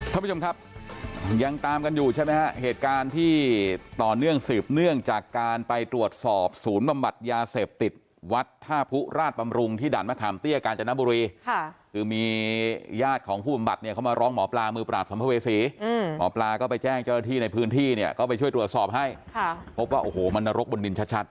ท่านผู้ชมครับยังตามกันอยู่ใช่ไหมฮะเหตุการณ์ที่ต่อเนื่องสืบเนื่องจากการไปตรวจสอบศูนย์บำบัดยาเสพติดวัดท่าผู้ราชบำรุงที่ด่านมะขามเตี้ยกาญจนบุรีค่ะคือมีญาติของผู้บำบัดเนี่ยเขามาร้องหมอปลามือปราบสัมภเวษีอืมหมอปลาก็ไปแจ้งเจ้าหน้าที่ในพื้นที่เนี่ยก็ไปช่วยตรวจสอบให้ค่ะพบว่าโอ้โหมันนรกบนดินชัด